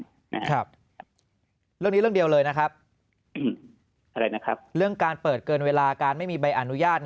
เรื่องนี้เรื่องเดียวเลยนะครับอะไรนะครับเรื่องการเปิดเกินเวลาการไม่มีใบอนุญาต